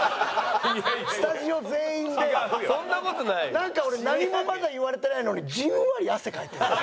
なんか俺何もまだ言われてないのにじんわり汗かいてる。